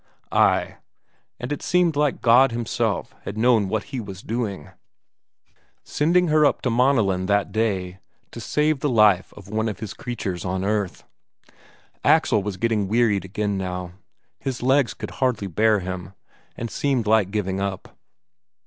Ay, and it seemed like God Himself had known what He was doing, sending her up to Maaneland that day, to save the life of one of His creatures on earth.... Axel was getting wearied again by now; his legs could hardly bear him, and seemed like giving up.